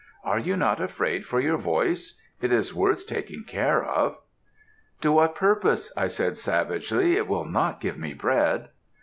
Are you not afraid for your voice it is worth taking care of.' "'To what purpose,' I said savagely, 'It will not give me bread!'